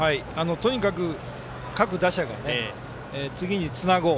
とにかく各打者が次につなごう。